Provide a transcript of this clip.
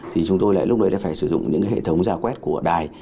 thì chúng tôi lại lúc đấy là phải sử dụng những hệ thống giả quét của đài